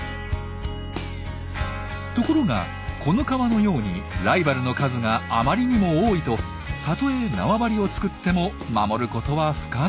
ところがこの川のようにライバルの数があまりにも多いとたとえなわばりを作っても守ることは不可能。